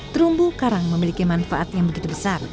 terumbu karang memiliki manfaat yang begitu besar